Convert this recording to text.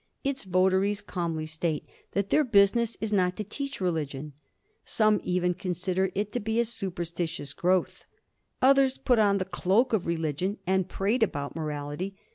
Its votaries calmly state that their business is not to teach religion. Some even consider it to be a superstitious growth. Others put on the cloak of religion, and prate about morality.